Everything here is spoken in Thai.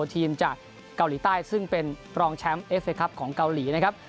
ทีมจากเกาหลีใต้ซึ่งเป็นรองแชมป์เอฟเคครับของเกาหลีนะครับ